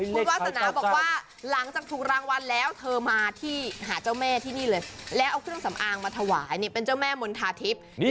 คุณวาสนาบอกว่าหลังจากถูกรางวัลแล้วเธอมาที่หาเจ้าแม่ที่นี่เลยแล้วเอาเครื่องสำอางมาถวายเนี่ยเป็นเจ้าแม่มณฑาทิพย์